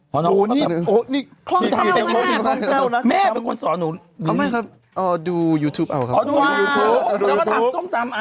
กระเทียมกระเทียมก่อนอ่าอันนี้เป็นสูตรของแบมแบม